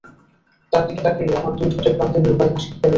তার দিকে তাকিয়ে আমার দুই ঠোঁটের প্রান্তে নিরুপায় হাসি খেলে যায়।